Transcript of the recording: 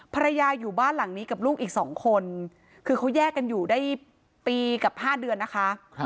ภรรยาอยู่บ้านหลังนี้กับลูกอีก๒คนคือเขาแยกกันอยู่ได้ปีกับ๕เดือนนะคะ